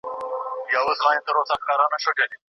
بدترینه پایله تل دومره خرابه نه وي.